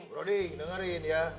bro bro ding dengerin ya